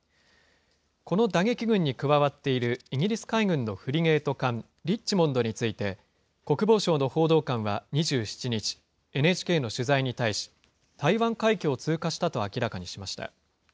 この打撃群に加わっているイギリス海軍のフリゲート艦リッチモンドについて、国防省の報道官は２７日、ＮＨＫの取材に対し、台湾海峡を通過したと明らかにしました。